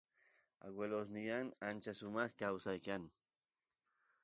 aguelosnyan ancha sumaq kawsay kan